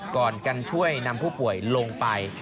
ก่อนกันช่วยนำผู้ป่วยลงไป